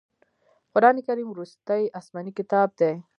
قرآن کریم وروستی اسمانې کتاب دی.